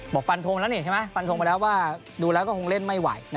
บอกฟันธงแล้วเนี่ยใช่มะฟันธงมาแล้วว่ากดูแล้วก็คงเล่นไม่ไหว